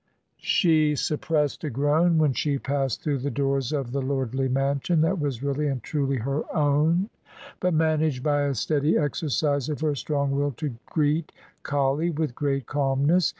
She suppressed a groan when she passed through the doors of the lordly mansion that was really and truly her own, but managed by a steady exercise of her strong will to greet Colley with great calmness.